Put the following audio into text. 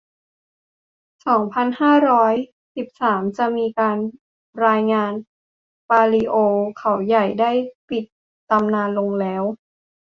สองพันห้าร้อยหกสิบสาม จะมีการรายงานว่า ปาลิโอ เขาใหญ่ ได้ปิดตำนานลงแล้ว